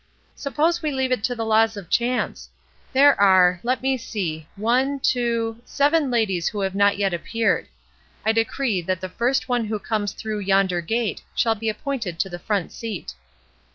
Suppose we leave it to the laws of chance? There are, let me see, one, two — seven ladies who have not yet appeared. I decree that the first one who comes through yonder gate shall be appointed to the front seat."